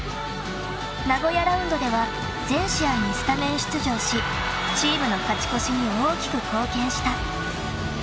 ［名古屋ラウンドでは全試合にスタメン出場しチームの勝ち越しに大きく貢献した］